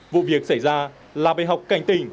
vụ việc xảy ra là bài học cảnh tình